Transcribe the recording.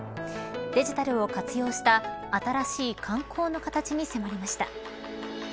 デジタルを活用した新しい観光の形に迫りました。